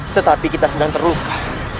tetapi kita sedang terluka